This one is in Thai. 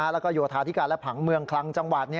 แล้วก็โยธาธิการและผังเมืองคลังจังหวัด